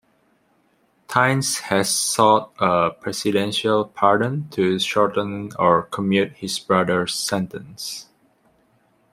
Tynes has sought a presidential pardon to shorten or commute his brother's sentence.